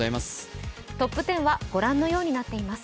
トップ１０はご覧のようになっています。